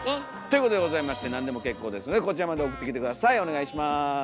ということでございましてなんでも結構ですのでこちらまで送ってきて下さいお願いします。